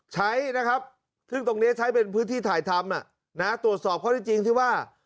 ใช้นะครับซึ่งตรงนี้ใช้เป็นพื้นที่ถ่ายทำตรวจสอบข้อที่จริงที่ว่า